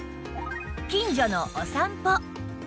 近所のお散歩